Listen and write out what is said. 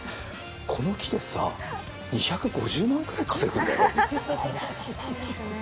この木でさ、２５０万円ぐらい稼ぐんだよ！？